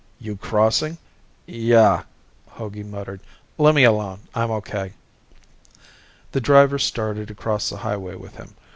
"You crossing?" "Yah," Hogey muttered. "Lemme alone, I'm okay." The driver started across the highway with him.